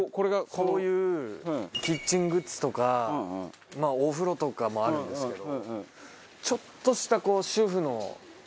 こういうキッチングッズとかお風呂とかもあるんですけどちょっとした。